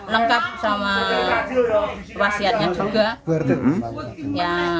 lengkap sama wasiatnya juga